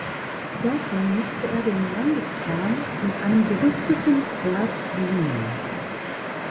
Dafür musste er dem Landesherrn mit einem gerüsteten Pferd dienen.